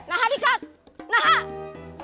nahan nih cut nahan